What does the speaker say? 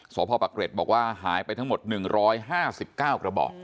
สพปะเกร็ดบอกว่าหายไปทั้งหมด๑๕๙กระบอก